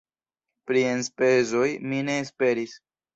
Pri enspezoj mi ne esperis.